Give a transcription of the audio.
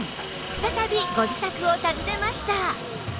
再びご自宅を訪ねました